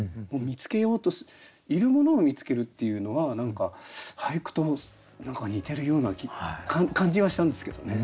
見つけようといるものを見つけるっていうのは何か俳句と似てるような感じはしたんですけどね。